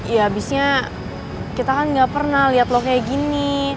ya abisnya kita kan gak pernah liat lo kayak gini